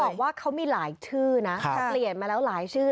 บอกว่าเขามีหลายชื่อนะแต่เปลี่ยนมาแล้วหลายชื่อ